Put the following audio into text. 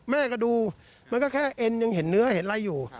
แม่ก็ดูมันก็แค่เอ็นยังเห็นเนื้อเห็นอะไรอยู่